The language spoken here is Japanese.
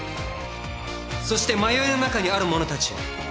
そして迷いの中にある者たちよ